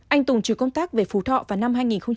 anh tùng trừ công tác về phú thọ vào năm hai nghìn một mươi